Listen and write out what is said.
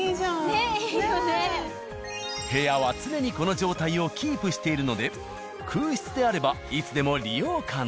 部屋は常にこの状態をキープしているので空室であればいつでも利用可能。